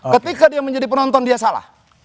ketika dia menjadi penonton dia salah